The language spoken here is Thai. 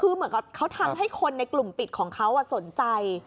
คือเหมือนกับเขาทำให้คนในกลุ่มปิดของเขาสนใจ